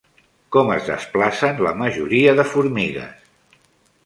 Com es desplacen la majoria de formigues?